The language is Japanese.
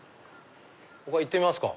５階行ってみますか。